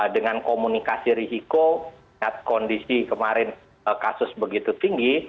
dengan komunikasi risiko melihat kondisi kemarin kasus begitu tinggi